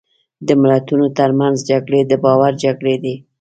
د ملتونو ترمنځ جګړې د باور جګړې دي.